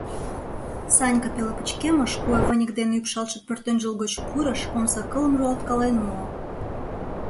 Санька пеле пычкемыш, куэ выньык дене ӱпшалтше пӧртӧнчыл гоч пурыш, омса кылым руалткален муо.